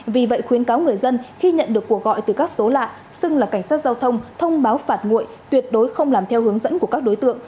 vì vậy khuyến cáo người dân khi nhận được cuộc gọi từ các số lạ xưng là cảnh sát giao thông thông báo phạt nguội tuyệt đối không làm theo hướng dẫn của các đối tượng